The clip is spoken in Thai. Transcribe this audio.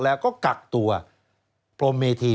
สวัสดีค่ะต้อนรับคุณบุษฎี